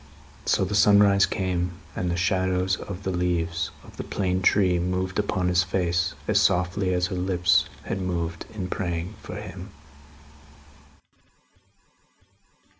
So, the sunrise came, and the shadows of the leaves of the plane tree moved upon his face, as softly as her lips had moved in praying for him.